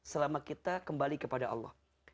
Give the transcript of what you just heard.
selama kita kembali kepada allah